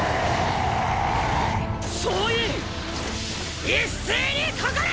総員一斉にかかれ！！